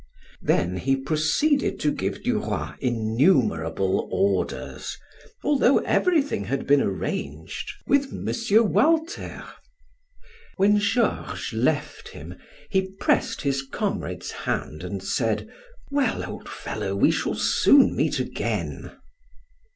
Then he proceeded to give Duroy innumerable orders, although everything had been arranged with M. Walter. When Georges left him, he pressed his comrade's hand and said: "Well, old fellow, we shall soon meet again."